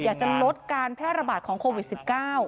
อยากจะลดการแพร่ระบาดของโควิด๑๙